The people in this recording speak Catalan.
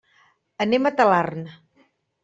Anem a Talarn.